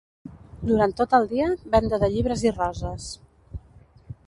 Durant tot el dia venda de llibres i roses.